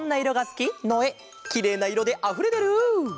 きれいないろであふれてる！